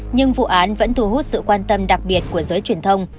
nhưng vụ án vẫn thu hút sự quan tâm đặc biệt của giới truyền thông